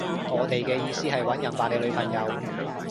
我哋嘅意思係搵人扮你女朋友